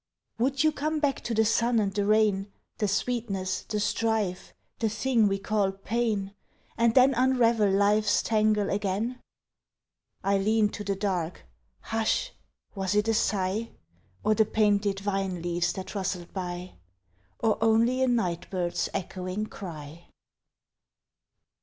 Would you come back to the sun and the rain, The sweetness, the strife, the thing we call pain, And then unravel life's tangle again? I lean to the dark Hush! was it a sigh? Or the painted vine leaves that rustled by? Or only a night bird's echoing cry?